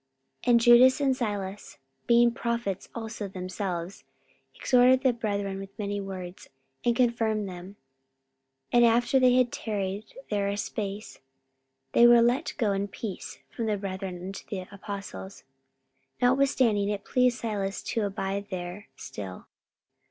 44:015:032 And Judas and Silas, being prophets also themselves, exhorted the brethren with many words, and confirmed them. 44:015:033 And after they had tarried there a space, they were let go in peace from the brethren unto the apostles. 44:015:034 Notwithstanding it pleased Silas to abide there still.